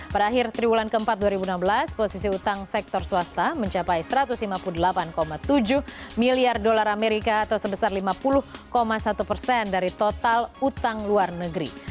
pada akhir triwulan keempat dua ribu enam belas posisi utang sektor swasta mencapai satu ratus lima puluh delapan tujuh miliar dolar amerika atau sebesar lima puluh satu persen dari total utang luar negeri